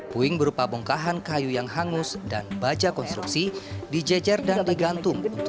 puing berupa bongkahan kayu yang hangus dan baja konstruksi dijejer dan digantung